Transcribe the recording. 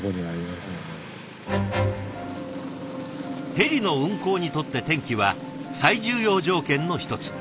ヘリの運航にとって天気は最重要条件の一つ。